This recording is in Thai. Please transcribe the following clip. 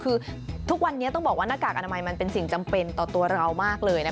คือทุกวันนี้ต้องบอกว่าหน้ากากอนามัยมันเป็นสิ่งจำเป็นต่อตัวเรามากเลยนะคะ